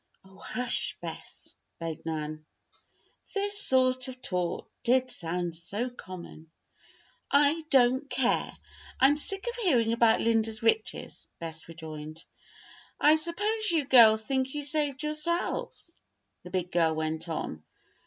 "Oh, hush, Bess!" begged Nan, sotto voce. This sort of talk did sound so common! "I don't care! I'm sick of hearing about Linda's riches," Bess rejoined. "I suppose you girls think you saved yourselves?" the big girl went on.